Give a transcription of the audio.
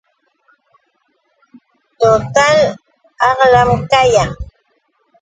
Total aqlam kayan.